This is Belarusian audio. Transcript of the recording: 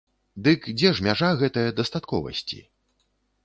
Дык дзе ж мяжа гэтае дастатковасці?